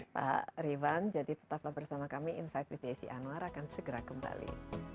pak riban jadi tetaplah bersama kami insight di tsi anwar akan segera kembali